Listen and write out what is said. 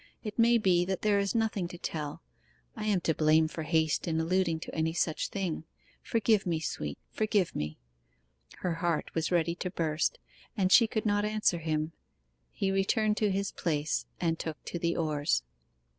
It may be that there is nothing to tell. I am to blame for haste in alluding to any such thing. Forgive me, sweet forgive me.' Her heart was ready to burst, and she could not answer him. He returned to his place and took to the oars.